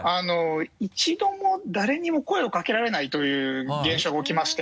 一度も誰にも声をかけられないという現象が起きまして。